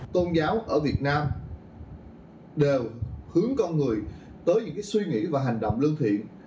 tôn giáo ở việt nam đều hướng con người tới những suy nghĩ và hành động lương thiện